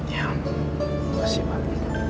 ya makasih pak